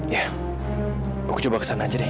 ya aku coba kesana aja deh